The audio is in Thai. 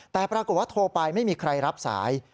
แต่ปรากฏว่าโทรไปไม่มีใครรับสาย